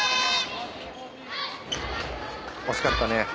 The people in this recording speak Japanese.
惜しかったね。